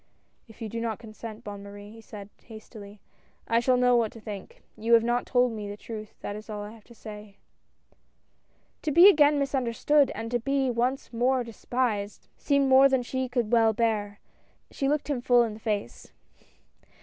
"If you do not consent. Bonne Marie," he said hastily, " I shall know what to think. You have not told me the truth, that is all I have to say." To be again misunderstood, and to be once more despised seemed more than she could well bear — she looked him full in the face.